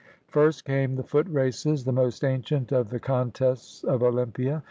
First came the foot races, the most ancient of the con tests of Olympia.